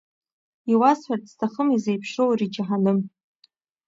Иуасҳәарц сҭахым изеиԥшроу ари џьаҳаным.